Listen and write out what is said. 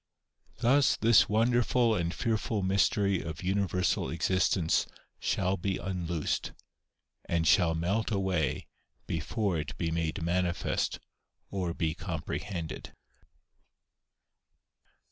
Thus, this wonderful and fearful mystery of universal existence shall be unloosed, and shall melt away before it be made manifest or be comprehended."